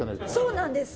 そうなんです！